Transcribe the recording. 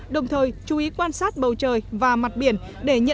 đồng thời chú ý quan sát bầu trời và mặt biển